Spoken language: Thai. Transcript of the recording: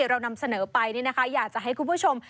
เรานำเสนอไปอยากจะให้คุณผู้ชม